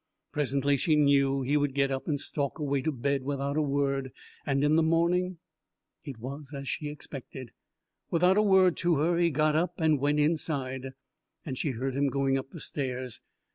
Presently, she knew, he would get up and stalk away to bed without a word. And in the morning It was as she expected. Without a word to her he got up and went inside, and she heard him going up the stairs.